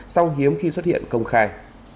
sau hiếm khi xuất hiện công khai